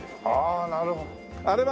ああなるほど。